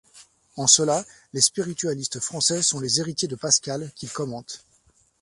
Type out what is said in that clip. En cela, les spiritualistes français sont les héritiers de Pascal, qu'ils commentent.